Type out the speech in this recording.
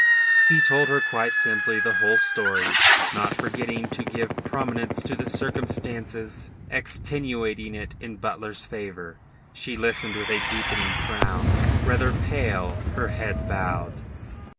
He told her quite simply the whole story, not forgetting to give prominence to the circumstances extenuating it in Butler's favour. She listened with a deepening frown, rather pale, her head bowed.